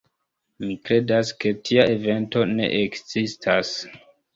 Mi kredas ke tia evento ne ekzistas.